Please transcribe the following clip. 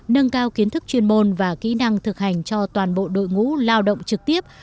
nâng cao kiến thức chuyên môn và kỹ năng thực hành cho toàn bộ đội ngũ lao động trực tiếp